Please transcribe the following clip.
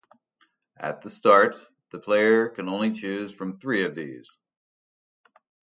At the start, the player can only choose from three of these.